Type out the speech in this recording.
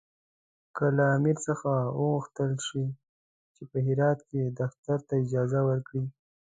که له امیر څخه وغوښتل شي چې په هرات کې دفتر ته اجازه ورکړي.